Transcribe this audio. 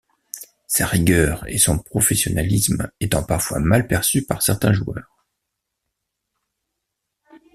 Sa rigueur et son professionnalisme étant parfois mal perçus par certains joueurs.